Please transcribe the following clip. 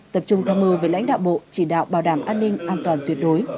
tập trung tham mưu với lãnh đạo bộ chỉ đạo bảo đảm an ninh an toàn tuyệt đối